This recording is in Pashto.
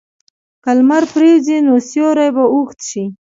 که لمر پرېوځي، نو سیوری به اوږد شي.